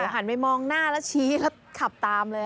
หันไปมองหน้าแล้วชี้แล้วขับตามเลย